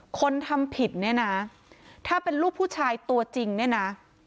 คนทำผิดเนี่ยนะถ้าเป็นลูกผู้ชายตัวจริงเนี่ยนะ